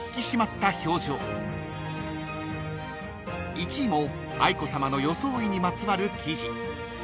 ［１位も愛子さまの装いにまつわる記事］